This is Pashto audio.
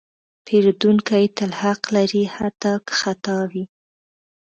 پیرودونکی تل حق لري، حتی که خطا وي.